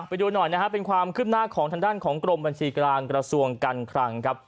ไปดูหน่อยนะครับเป็นความคืบหน้าของทางด้านของกรมบัญชีกลางกระทรวงการคลังครับ